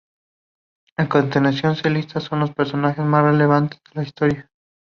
A continuación se listan los personajes más relevantes de la historia.